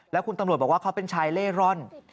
แล้วคุณตำรวจบอกว่าเขาเป็นชายเล่ร่อน